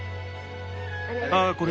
ああこれ